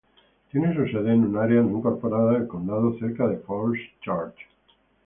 Tiene su sede en una área no incorporada del condado, cerca de Falls Church.